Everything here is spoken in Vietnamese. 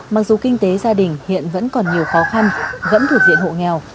mặc dù kinh tế gia đình hiện vẫn còn nhiều khó khăn vẫn thuộc diện hộ nghèo